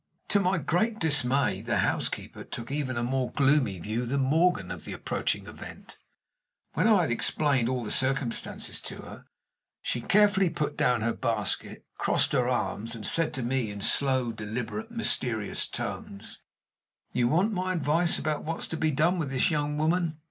To my great dismay, the housekeeper took even a more gloomy view than Morgan of the approaching event. When I had explained all the circumstances to her, she carefully put down her basket, crossed her arms, and said to me in slow, deliberate, mysterious tones: "You want my advice about what's to be done with this young woman?